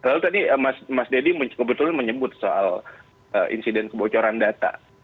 lalu tadi mas deddy kebetulan menyebut soal insiden kebocoran data